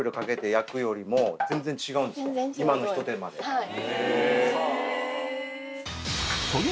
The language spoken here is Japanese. はい。